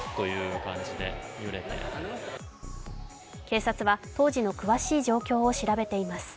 警察は当時の詳しい状況を調べています。